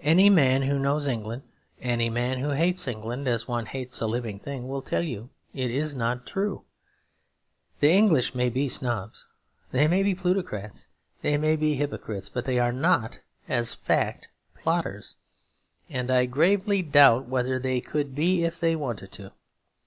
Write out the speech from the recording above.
Any man who knows England, any man who hates England as one hates a living thing, will tell you it is not true. The English may be snobs, they may be plutocrats, they may be hypocrites, but they are not, as a fact, plotters; and I gravely doubt whether they could be if they wanted to.